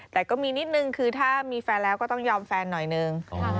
แต่ก็มีนิดนึงคือถ้ามีแฟนแล้วก็ต้องยอมแฟนหน่อยนึง